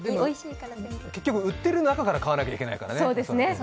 結局売ってる中から買わなきゃいけないからね。